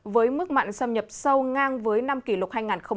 với mức mặn xâm nhập sâu ngang với năm kỷ lục hai nghìn một mươi chín